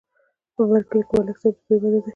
په بر کلي کې د ملک صاحب د زوی واده دی.